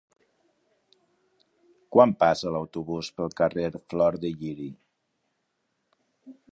Quan passa l'autobús pel carrer Flor de Lliri?